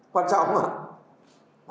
quan trọng không ạ